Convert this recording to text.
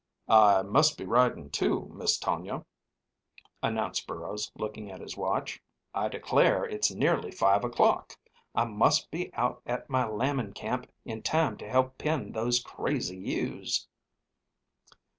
"I must be riding, too, Miss Tonia," announced Burrows, looking at his watch. "I declare, it's nearly five o'clock! I must be out at my lambing camp in time to help pen those crazy ewes."